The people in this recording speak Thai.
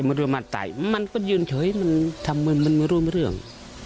แต่มันรู้ว่ามันตายมันก็ยืนเฉยมันทำมันมันรู้ไม่รู้เรื่อง